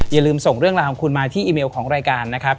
อย่าลืมส่งเรื่องราวของคุณมาที่อีเมลของรายการนะครับ